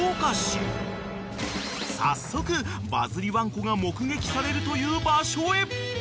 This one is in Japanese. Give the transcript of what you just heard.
［早速バズりワンコが目撃されるという場所へ］